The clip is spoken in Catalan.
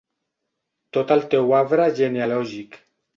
Tot el teu arbre genealògic.